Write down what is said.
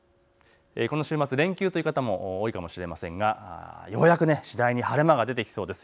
この週末連休という方、多いかもしれませんがようやく次第に晴れ間が出てきそうです。